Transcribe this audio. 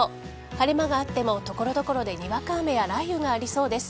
晴れ間があっても、所々でにわか雨や雷雨がありそうです。